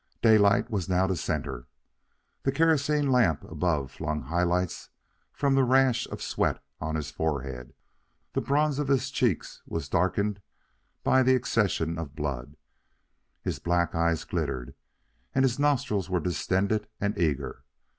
Daylight was now the centre. The kerosene lamps above flung high lights from the rash of sweat on his forehead. The bronze of his cheeks was darkened by the accession of blood. His black eyes glittered, and his nostrils were distended and eager.